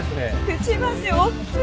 くちばし大っきい！